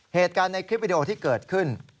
เหตุการณ์ในคลิปวิดีโอที่เกิดขึ้น